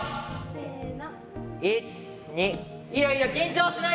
せの。